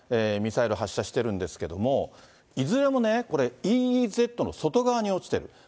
ミサイル発射してるんですけれども、いずれもね、これ、ＥＥＺの外側に落ちてる。